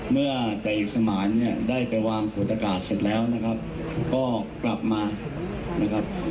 เมื่อจ่าเอกสมานเนี่ยได้ไปวางขวดอากาศเสร็จแล้วนะครับก็กลับมานะครับ